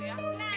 enak ajol ya